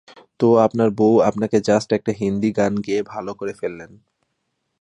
- তো আপনার বৌ আপনাকে জাস্ট একটা হিন্দী গান গেয়ে ভালো করে ফেলেছেন।